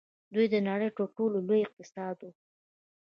دوی د نړۍ تر ټولو لوی اقتصاد وو.